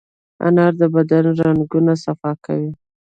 انار د بدن رګونه صفا کوي.